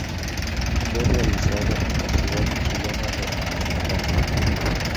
Fue realizado en la ciudad chilena de Antofagasta.